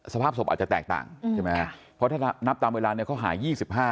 สภาพศพอาจจะแตกต่างใช่ไหมเพราะถ้านับตามเวลาเนี่ยเขาหาย๒๕